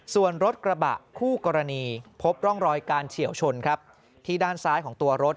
ส่วนรถกระบะคู่กรณีพบร่องรอยการเฉียวชนครับที่ด้านซ้ายของตัวรถ